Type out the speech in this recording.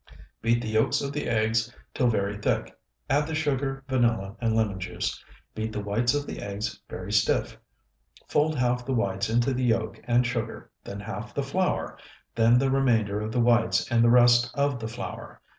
Beat the yolks of the eggs till very thick; add the sugar, vanilla, and lemon juice. Beat the whites of the eggs very stiff, fold half the whites into the yolk and sugar, then half the flour, then the remainder of the whites and the rest of the flour.